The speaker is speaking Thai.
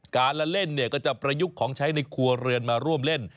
การละเล่นเนี่ยก็จะประยุกต์ของใช้ในครัวเรือนมาร่วมเล่น